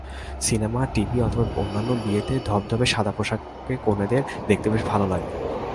Cinema, TV অথবা অন্য বিয়েতে ধবধবে সাদা পোশাকে কনেদের দেখতে বেশ লাগে।